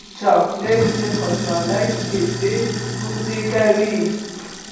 چاکلېټ د خوشحالۍ شېبې اوږدې کوي.